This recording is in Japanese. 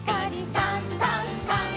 「さんさんさん」